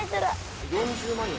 ４０万円？